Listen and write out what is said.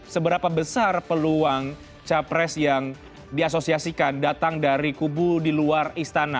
seberapa besar peluang capres yang diasosiasikan datang dari kubu di luar istana